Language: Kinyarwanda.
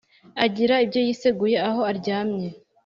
Agira ibyo yiseguye aho aryamye